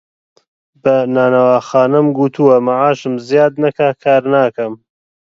بە نانەواخانەم گوتووە مەعاشم زیاد نەکا کار ناکەم